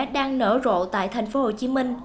đang nở rộ tại thành phố hồ chí minh